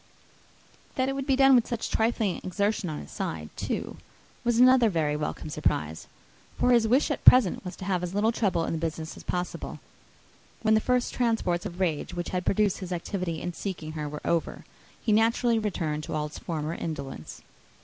That it would be done with such trifling exertion on his side, too, was another very welcome surprise; for his chief wish at present was to have as little trouble in the business as possible. When the first transports of rage which had produced his activity in seeking her were over, he naturally returned to all his former indolence.